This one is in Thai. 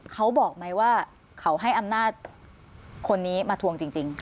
เขาบอกไหมว่าเขาให้อำนาจคนนี้มาทวงจริง